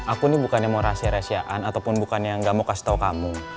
aku ini bukan yang mau rahasia rahasiaan ataupun bukan yang nggak mau kasih tahu kamu